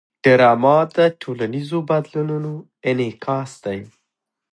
ډرامه د ټولنیزو بدلونونو انعکاس دی